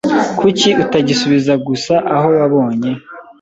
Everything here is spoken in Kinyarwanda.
Kuki utagisubiza gusa aho wabonye?